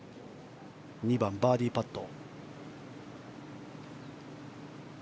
２番、バーディーパット。